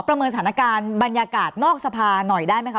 เมินสถานการณ์บรรยากาศนอกสภาหน่อยได้ไหมคะ